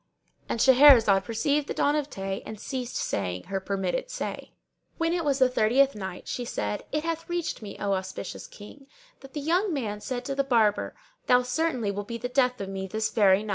"—And Shahrazad perceived the dawn of day and ceased saying her permitted say. When it was the Thirtieth Night, She said, It hath reached me, O auspicious King, that the young man said to the Barber, "Thou certainly wilt be the death of me this very day!"